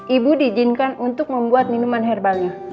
ibu diizinkan untuk membuat minuman herbalnya